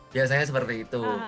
biasanya seperti itu